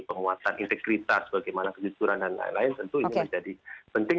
penguatan integritas bagaimana kejujuran dan lain lain tentu ini menjadi penting